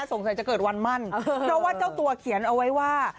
สงสัยจะเกิดวันมั่นเพราะว่าเจ้าตัวเขียนเอาไว้ว่า